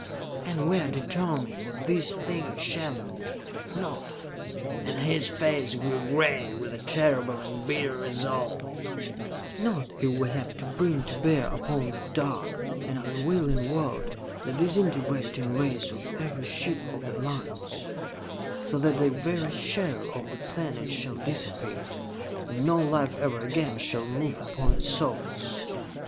"And we are determined that this thing shall not be. Not" and his face grew gray with a terrible and bitter resolve "not if we have to bring to bear upon that dark and unwilling world the disintegrating rays of every ship of the Alliance, so that the very shell of the planet shall disappear, and no life ever again shall move upon its surface.